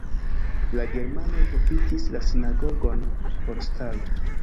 La germanoj profitis la sinagogon por stalo.